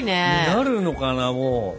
なるのかなもう。